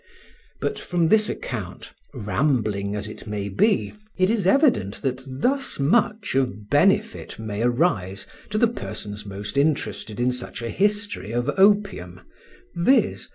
But from this account, rambling as it may be, it is evident that thus much of benefit may arise to the persons most interested in such a history of opium, viz.